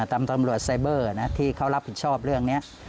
ตำรวจไซเบอร์ที่เขารับผิดชอบเรื่องนี้